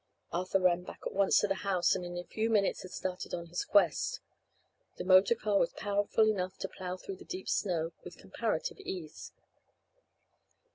Arthur ran back at once to the house and in a few minutes had started on his quest. The motor car was powerful enough to plow through the deep snow with comparative ease.